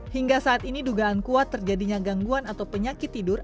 hingga saat ini dugaan kuat terjadinya gangguan atau penyakit tidur